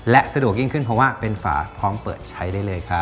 และสะดวกยิ่งขึ้นเพราะว่าเป็นฝาพร้อมเปิดใช้ได้เลยครับ